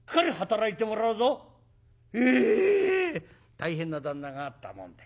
大変な旦那があったもんで。